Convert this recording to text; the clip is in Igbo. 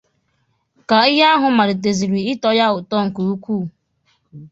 Ka ihe ahụ malitezịrị ịtọ ya ụtọ nke ukwuu